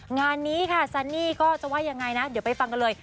งานนี้ค่ะซันนี่ก็จะว่ายังไงนะเดี๋ยวไปฟังกันเลย